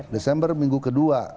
desember minggu ke dua